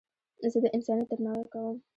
زه د انسانیت درناوی کوم.